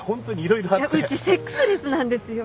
うちセックスレスなんですよ。